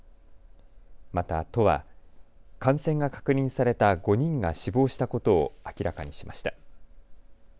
また、都は感染が確認された５人が死亡したことを明らかにしました。